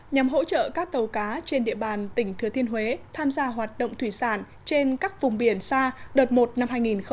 nhằm hỗ trợ các tàu cá trên địa bàn tỉnh thừa thiên huế tham gia hoạt động thủy sản trên các vùng biển xa đợt một năm hai nghìn hai mươi